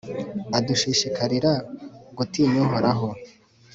Udashishikarira gutinya Uhoraho,